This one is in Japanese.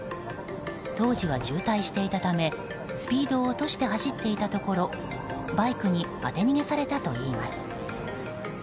当時は渋滞していたためスピードを落として走っていたところ、バイクに当て逃げされたといいます。